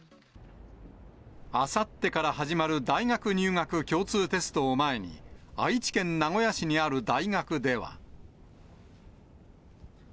あさってから始まる大学入学共通テストを前に、愛知県名古屋市にある大学では。